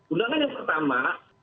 undangan yang pertama